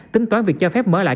tính toán việc cho phép mở lại